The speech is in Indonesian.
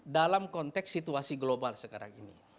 dalam konteks situasi global sekarang ini